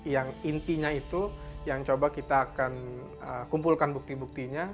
yang intinya itu yang coba kita akan kumpulkan bukti buktinya